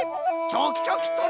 ちょきちょきと。